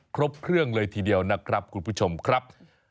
ครบเครื่องเลยทีเดียวนะครับคุณผู้ชมครับ